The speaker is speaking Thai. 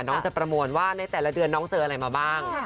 น้องจะประมวลว่าในแต่ละเดือนน้องเจออะไรมาบ้าง